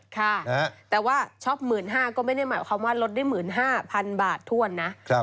ค่ะแต่ว่าช็อป๑๕๐๐ก็ไม่ได้หมายความว่าลดได้๑๕๐๐๐บาทถ้วนนะ